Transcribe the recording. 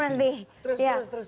terus terus terus